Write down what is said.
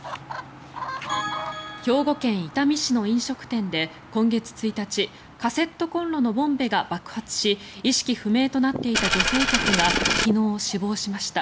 兵庫県伊丹市の飲食店で今月１日カセットコンロのボンベが爆発し意識不明となっていた女性客が昨日、死亡しました。